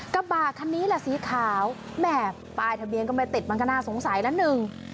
กระบะคันนี้แหละสีขาวแหม่ป้ายทะเบียนก็ไม่ติดมันก็น่าสงสัยละหนึ่ง